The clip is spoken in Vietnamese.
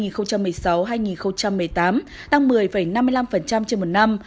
giai đoạn hai nghìn một mươi sáu hai nghìn một mươi tám tăng một mươi năm mươi năm trên một năm